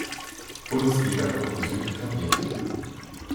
Bundesliga Gruppe Süd etablierte.